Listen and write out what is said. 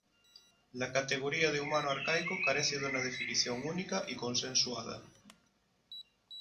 La categoría de humano arcaico carece de una definición única y consensuada.